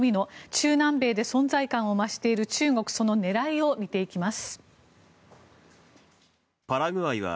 中南米で存在感を増している中国その狙いを見ていきます。